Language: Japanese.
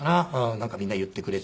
なんかみんな言ってくれて。